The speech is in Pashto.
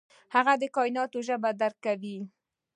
هغه د کائنات ژبه درک کوي.